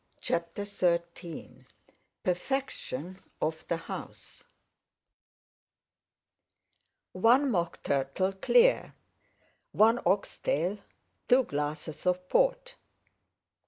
CHAPTER XIII PERFECTION OF THE HOUSE "One mockturtle, clear; one oxtail; two glasses of port."